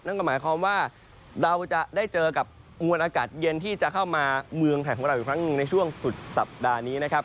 นั่นก็หมายความว่าเราจะได้เจอกับมวลอากาศเย็นที่จะเข้ามาเมืองไทยของเราอีกครั้งหนึ่งในช่วงสุดสัปดาห์นี้นะครับ